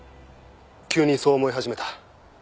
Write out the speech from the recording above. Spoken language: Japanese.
急にそう思い始めた。